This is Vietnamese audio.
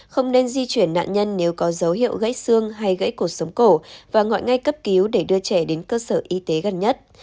không nên di chuyển nạn nhân nếu có dấu hiệu gây xương hay gãy cột sống cổ và gọi ngay cấp cứu để đưa trẻ đến cơ sở y tế gần nhất